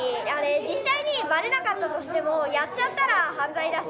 実際にばれなかったとしてもやっちゃったら犯罪だし。